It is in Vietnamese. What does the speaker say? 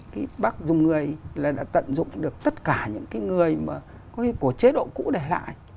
cái bác dùng người là đã tận dụng được tất cả những cái người mà có chế độ cũ để lại